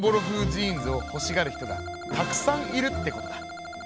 ふうジーンズをほしがる人がたくさんいるってことだ。